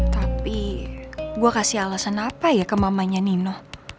tapi gue kasih alasan apa ya ke mamanya nino